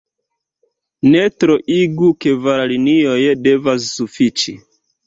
Ne troigu: kvar linioj devas sufiĉi.